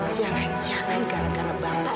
jangan jangan gara gara bapak